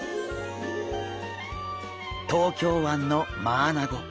東京湾のマアナゴ。